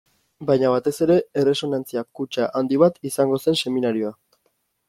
Baina batez ere, erresonantzia kutxa handi bat izango zen seminarioa.